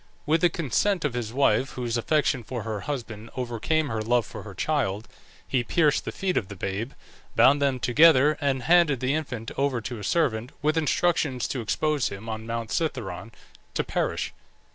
With the consent of his wife, whose affection for her husband overcame her love for her child, he pierced the feet of the babe, bound them together, and handed the infant over to a servant, with instructions to expose him on Mount Cithaeron to perish.